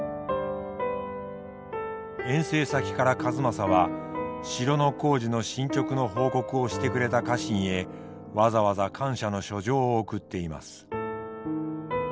遠征先から数正は城の工事の進捗の報告をしてくれた家臣へわざわざ感謝の書状を送っています。